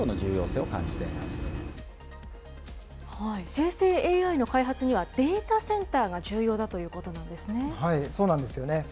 生成ＡＩの開発にはデータセンターが重要だということなんでそうなんですよね。